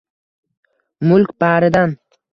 Mulk — baridan